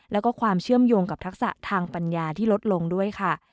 แล้วก็ความเชื่อมโยงกับทักษะทางปัญญาที่ลดลงด้วยค่ะ